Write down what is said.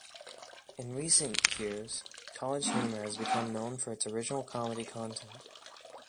In recent years, CollegeHumor has become known for its original comedy content.